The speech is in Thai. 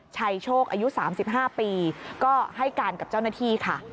โชคอายุ๓๕ปีก็ให้การกับเจ้าหน้าที่ค่ะ